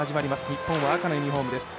日本は赤のユニフォームです。